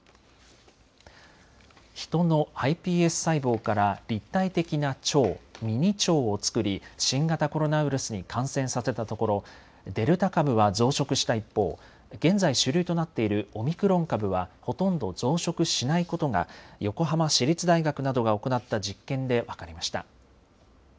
ヒトのｉＰＳ細胞から立体的な腸、ミニ腸を作り新型コロナウイルスに感染させたところデルタ株は増殖した一方、現在主流となっているオミクロン株はほとんど増殖しないことが横浜市立大学などが行った実験で分かりました。